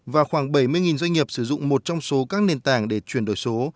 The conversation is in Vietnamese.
và khoảng bảy mươi doanh nghiệp sử dụng một trong số các nền tảng để chuyển đổi số